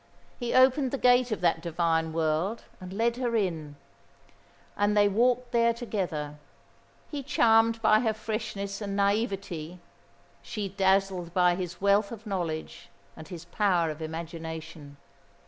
He opened the gate of that divine world and led her in, and they walked there together; he charmed by her freshness and naïveté, she dazzled by his wealth of knowledge and his power of imagination.